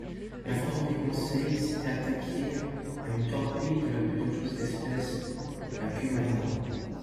L'infortuné Conseil s'était attaqué à une torpille de la plus dangereuse espèce, la cumana.